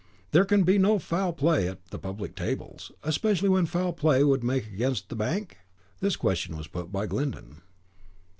"There can be no foul play at the public tables, especially when foul play would make against the bank?" This question was put by Glyndon.